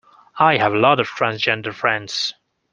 I have a lot of transgender friends